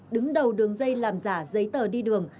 đứng đầu đường dây làm giả giấy tờ đi đường